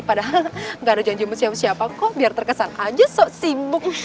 padahal gak ada janji sama siapa kok biar terkesan aja sok sibuk